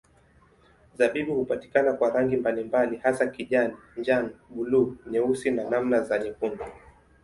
Zabibu hupatikana kwa rangi mbalimbali hasa kijani, njano, buluu, nyeusi na namna za nyekundu.